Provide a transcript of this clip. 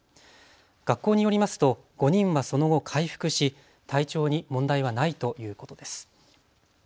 学校によりますと５人はその後、回復し体調に問題はないということです。